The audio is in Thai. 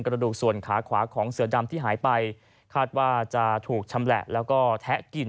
กระดูกส่วนขาขวาของเสือดำที่หายไปคาดว่าจะถูกชำแหละแล้วก็แทะกิน